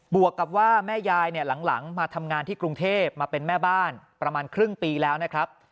วกกับว่าแม่ยายเนี่ยหลังมาทำงานที่กรุงเทพมาเป็นแม่บ้านประมาณครึ่งปีแล้วนะครับ